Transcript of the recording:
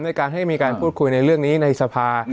ในการให้มีการพูดคุยในเรื่องนี้ในสภา